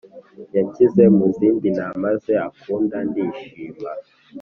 yanshyize mu zindi ntama ze akunda ndishima